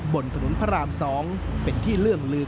บนถนนพระราม๒เป็นที่เรื่องลืม